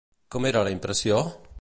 Com era la impressió?